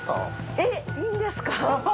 えっいいんですか？